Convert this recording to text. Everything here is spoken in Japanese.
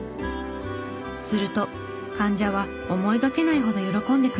すると患者は思いがけないほど喜んでくれたのです。